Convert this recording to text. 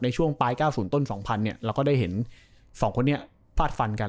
ในช่วงปลาย๙๐ต้น๒๐๐๐แล้วก็ได้เห็น๒คนนี้พลาดฟันกัน